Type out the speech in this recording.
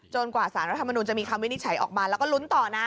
กว่าสารรัฐมนุนจะมีคำวินิจฉัยออกมาแล้วก็ลุ้นต่อนะ